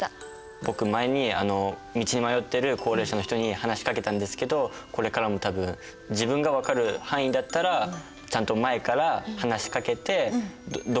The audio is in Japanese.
僕前に道に迷ってる高齢者の人に話しかけたんですけどこれからも多分自分が分かる範囲だったらちゃんと前から話しかけて「どこ行きたいんですか？」